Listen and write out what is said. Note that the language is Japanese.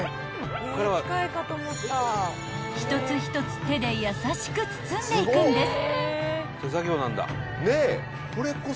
［一つ一つ手で優しく包んでいくんです］